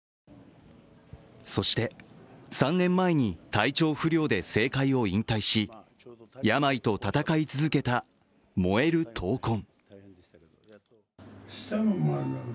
そして、３年前に体調不良で政界を引退し、病と闘い続けた燃える闘魂。